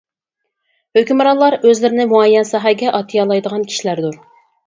ھۆكۈمرانلار ئۆزلىرىنى مۇئەييەن ساھەگە ئاتىيالايدىغان كىشىلەردۇر.